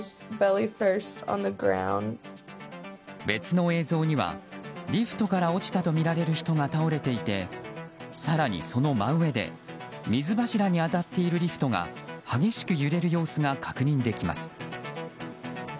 別の映像にはリフトから落ちたとみられる人が倒れていて更にその真上で水柱に当たっているリフトが激しく揺れる様子が確認できます。